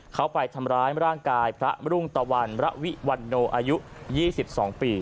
เขาไปทำร้ายร่างกายพระรุ่งตะวันระวิวันโนอายุ๒๒ปี